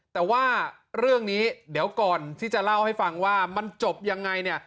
แต่ว่าเรื่องนี้เดี๋ยวก่อนที่จะเล่าให้ฟังว่ามันจบยังไงเนี่ย